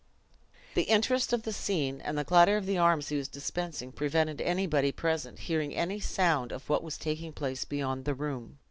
The interest of the scene, and the clatter of the arms he was dispensing, prevented anybody present hearing any sound of what was taking place beyond the room.